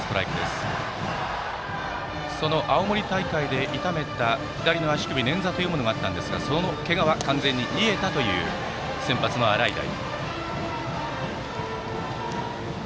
青森大会で痛めた左足首のねんざというものがあったんですが、そのけがは完全に癒えたという先発の洗平。